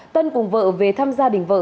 tân cùng vợ về thăm gia đình vợ